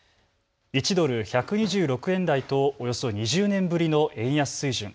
１ドル１２６円台とおよそ２０年ぶりの円安水準。